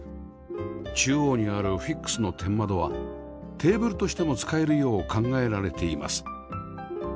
中央にあるフィックスの天窓はテーブルとしても使えるよう考えられています